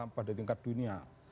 pada tingkat dunia